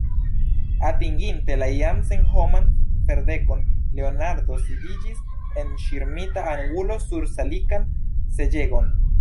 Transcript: Atinginte la jam senhoman ferdekon, Leonardo sidiĝis en ŝirmita angulo sur salikan seĝegon.